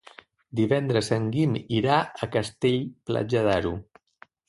Divendres en Guim irà a Castell-Platja d'Aro.